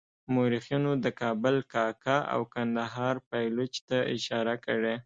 مورخینو د کابل کاکه او کندهار پایلوچ ته اشاره کړې.